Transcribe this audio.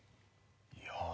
いや